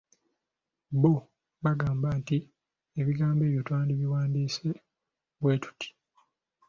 "Bo, bagamba nti ebigambo ebyo twandibiwandiise bwe tuti."